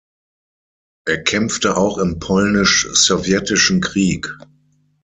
Er kämpfte auch im Polnisch-Sowjetischen Krieg.